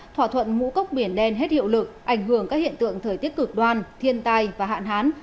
thỏa thuận ngũ cốc biển đen hết hiệu lực ảnh hưởng các hiện tượng thời tiết cực đoan thiên tai và hạn hán